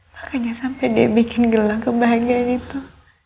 makanya sampai dia bikin gelang kebahagiaan itu